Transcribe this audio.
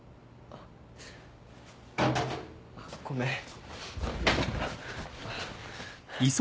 あっごめん。